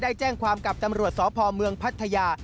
แจ้งความกับตำรวจสพเมืองพัทยา